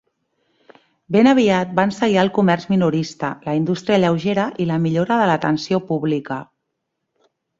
Ben aviat van seguir el comerç minorista, la indústria lleugera i la millora de l'atenció pública.